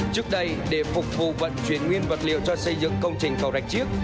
trước đây để phục vụ vận chuyển nguyên vật liệu cho xây dựng công trình cầu rạch chiếc